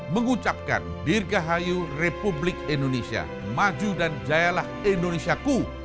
mengucapkan dirgahayu republik indonesia maju dan jayalah indonesiaku